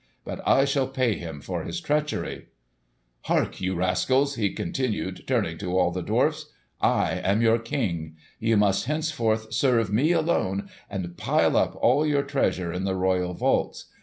But I shall pay him for his treachery! "Hark you, rascals!" he continued, turning to all the other dwarfs. "I am your king. Ye must henceforth serve me alone, and pile up all your treasure in the royal vaults.